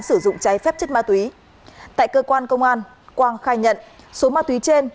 sử dụng cháy phép chất ma túy tại cơ quan công an quang khai nhận số ma túy trên